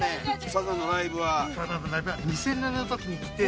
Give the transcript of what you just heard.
サザンのライブは？